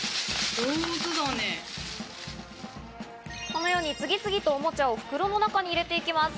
このように次々とおもちゃを袋の中に入れていきます。